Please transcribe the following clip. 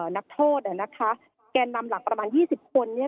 นักโทษแกนนำหลักประมาณ๒๐คน